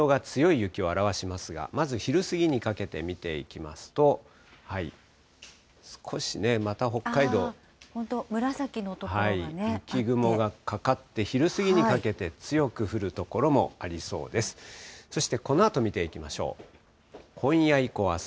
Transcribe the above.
雪雲がかかって、昼過ぎにかけて、強く降る所もありそうです。